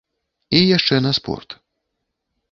І яшчэ на спорт.